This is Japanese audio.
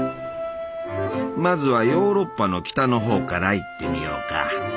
まずはヨーロッパの北のほうから行ってみようか。